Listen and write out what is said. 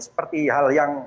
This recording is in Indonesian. seperti hal yang